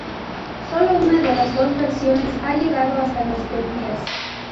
Solo una de las dos versiones ha llegado hasta nuestros días.